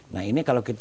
nah ini kalau kita